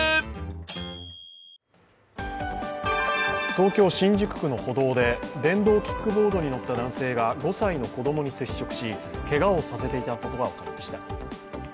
東京・新宿区の歩道で電動キックボードに乗った男性が５歳の子供に接触しけがをさせていたことが分かりました。